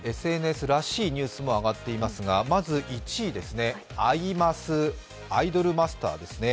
ＳＮＳらしいニュースも上がっていますが、まず１位、アイマス、「アイドルマスター」ですね。